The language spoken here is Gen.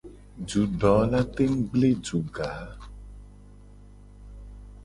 Dudo la tengu gble duga.